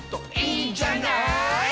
「いいんじゃない」